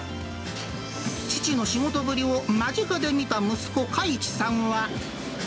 父の仕事ぶりを間近で見た息子、加一さんは。